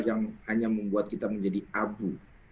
yang hanya membuat kita menjadi abu